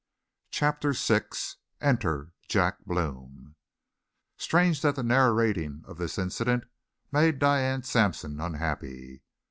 Chapter 6 ENTER JACK BLOME Strange that the narrating of this incident made Diane Sampson unhappy.